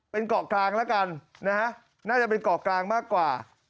เป็นเกาะกลางแล้วกันนะฮะน่าจะเป็นเกาะกลางมากกว่า